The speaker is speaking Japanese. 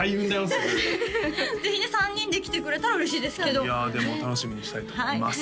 それぜひね３人で来てくれたら嬉しいですけどいやでも楽しみにしたいと思います